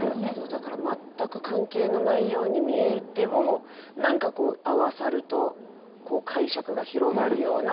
だから全く関係のないように見えても何かこう合わさると解釈が広がるような歌になるという。